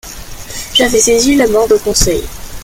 J’avais saisi la main de Conseil.